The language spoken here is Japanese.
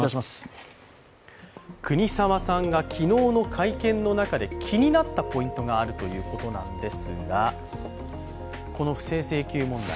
国沢さんが昨日の会見の中で気になったポイントがあるということなんです。